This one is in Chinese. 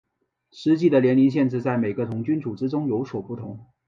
实际的年龄限制在每个童军组织中有所不同。